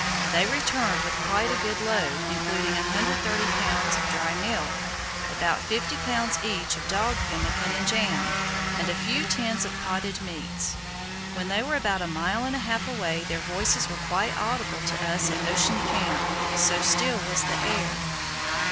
They returned with quite a good load, including 130 lbs. of dry milk, about 50 lbs. each of dog pemmican and jam, and a few tins of potted meats. When they were about a mile and a half away their voices were quite audible to us at Ocean Camp, so still was the air.